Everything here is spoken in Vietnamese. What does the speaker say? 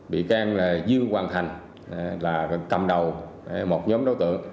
bị can là dương hoàng thành là cầm đầu một nhóm đối tượng